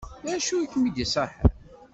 D acu i kem-id-iṣaḥen?